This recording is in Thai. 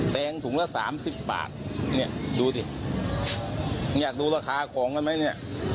แกงถุงละสามสิบบาทเนี่ยดูสิอยากดูราคาของกันไหมเนี่ย